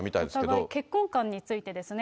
お互い、結婚観についてですね。